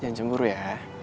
jangan cemburu ya